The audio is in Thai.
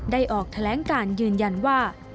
ออกแถลงการยืนยันว่า